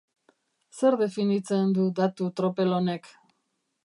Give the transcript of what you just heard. Zer definitzen du datu tropel honek?